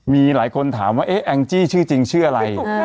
มีหลายคนถามว่าแองจี้ชื่อจริงชื่ออะไร